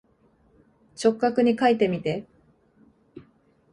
直角にかいてみて。